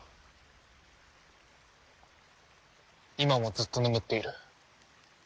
今もずっと眠っている。